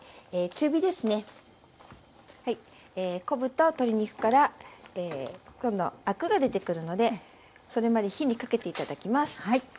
昆布と鶏肉からアクが出てくるのでそれまで火にかけて頂きます。